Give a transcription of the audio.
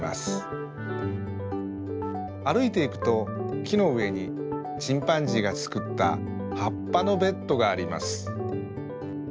あるいていくときのうえにチンパンジーがつくったはっぱのベッドがあります。